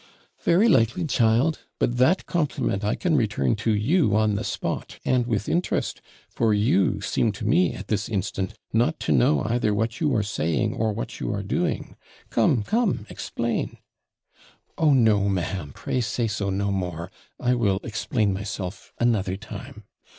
'Very likely, child; but that compliment I can return to you on the spot, and with interest; for you seem to me, at this instant, not to know either what you are saying or what you are doing. Come, come, explain.' 'Oh no, ma'am Pray say so no more; I will explain myself another time.'